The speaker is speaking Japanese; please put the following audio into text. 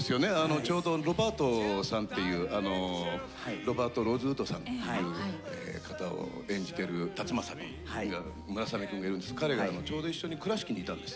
ちょうどロバートさんっていうロバート・ローズウッドさんっていう方を演じてる辰剛君村雨君がいるんですが彼がちょうど一緒に倉敷にいたんです。